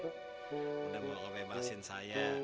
udah mau ngebebasin saya